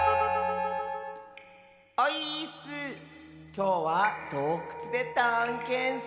きょうはどうくつでたんけんッス。